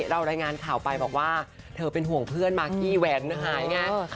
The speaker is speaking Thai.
รายงานข่าวไปบอกว่าเธอเป็นห่วงเพื่อนมากกี้แหวนหายไง